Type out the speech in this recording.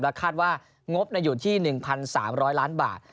คาดว่างบอยู่ที่๑๓๐๐ล้านบาท